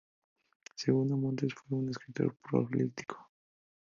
Segundo Montes fue un escritor prolífico.